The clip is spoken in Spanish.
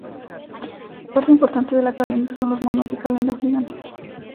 Parte importante de La calenda son los monos de calenda o gigantes.